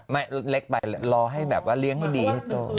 เล็กไปรอให้แบบว่าเลี้ยงให้ดีให้โต